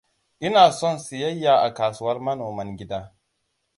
Ina son siyayya a kasuwar manoman gida.